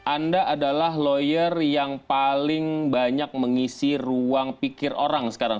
anda adalah lawyer yang paling banyak mengisi ruang pikir orang sekarang